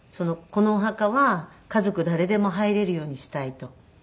「このお墓は家族誰でも入れるようにしたい」と。